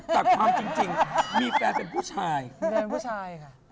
แต่ความจริงมีแฟนเป็นผู้ชาย